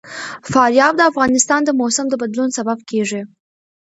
فاریاب د افغانستان د موسم د بدلون سبب کېږي.